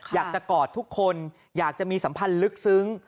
อยากจะกอดทุกคนอยากจะมีสัมพันธ์ลึกซึ้ง